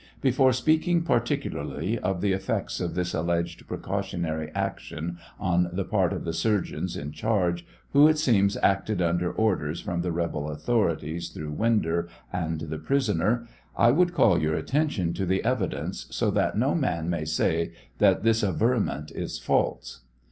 Before speaking particularly of the effects of this alleged precautionary action on the part of the surgeons in charge, who it seems acted under orders from the rebel authorities through Winder and the prisoner, I would call your attention to the evidence, so that no man may say that this averment is false.